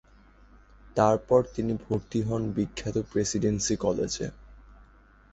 তারপর তিনি ভর্তি হন বিখ্যাত প্রেসিডেন্সি কলেজে।